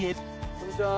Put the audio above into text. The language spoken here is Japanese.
こんにちは。